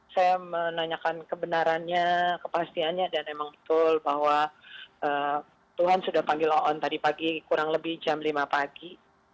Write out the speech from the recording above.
saya menanyakan kebenarannya kepastiannya dan emang betul bahwa tuhan sudah panggil oon tadi pagi kurang lebih jam lima pagi